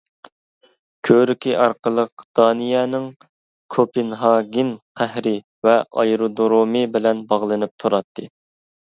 كۆۋرۈكى ئارقىلىق دانىيەنىڭ كوپېنھاگېن قەھرى ۋە ئايرودۇرۇمى بىلەن باغلىنىپ تۇراتتى.